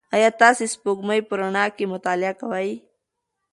ایا تاسي د سپوږمۍ په رڼا کې مطالعه کوئ؟